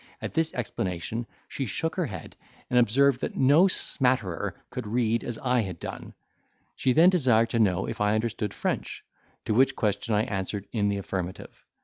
At this explanation she shook her head, and observed that no smatterer could read as I had done. She then desired to know if I understood French. To which question I answered in the affirmative.